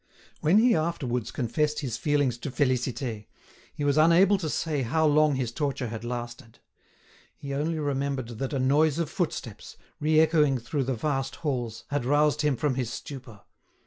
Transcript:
When he afterwards confessed his feelings to Félicité, he was unable to say how long his torture had lasted. He only remembered that a noise of footsteps, re echoing through the vast halls, had roused him from his stupor.